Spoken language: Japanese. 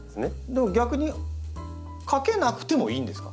逆にかけなくてもいいんですか？